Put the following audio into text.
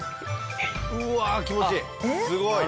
うわ気持ちいい。